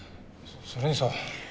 それにさ。